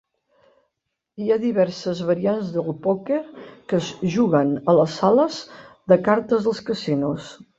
Hi ha diverses variants del pòquer que es juguen a les sales de cartes dels casinos.